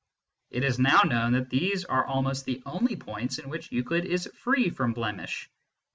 It is now known that these are almost the only points in which Euclid is free from blemish.